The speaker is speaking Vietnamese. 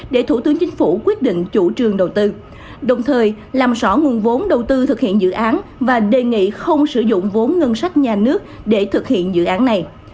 để thủ tướng chính phủ quyết định chủ trương đầu tư đồng thời làm rõ nguồn vốn đầu tư thực hiện dự án và đề nghị không sử dụng vốn ngân sách nhà nước để thực hiện dự án này